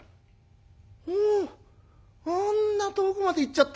おあんな遠くまで行っちゃった。